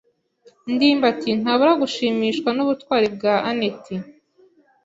ndimbati ntabura gushimishwa n'ubutwari bwa anet.